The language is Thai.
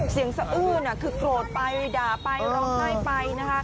สะอื้นคือโกรธไปด่าไปร้องไห้ไปนะคะ